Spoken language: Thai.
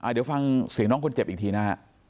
เดี๋ยวฟังเสียงน้องคนเจ็บอีกทีนะฮะ